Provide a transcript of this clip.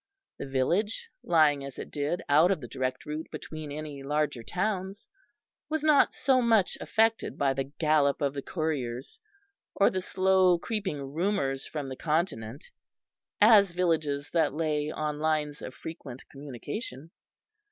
The village, lying as it did out of the direct route between any larger towns, was not so much affected by the gallop of the couriers, or the slow creeping rumours from the Continent, as villages that lay on lines of frequent communication.